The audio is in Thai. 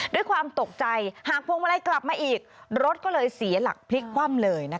ด้วยความตกใจหากพวงมาลัยกลับมาอีกรถก็เลยเสียหลักพลิกคว่ำเลย